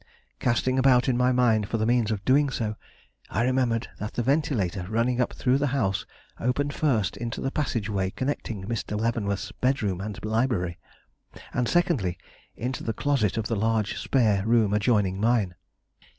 Casting about in my mind for the means of doing so, I remembered that the ventilator running up through the house opened first into the passageway connecting Mr. Leavenworth's bedroom and library, and, secondly, into the closet of the large spare room adjoining mine.